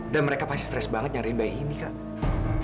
dan mereka pasti stres banget nyariin bayi ini kak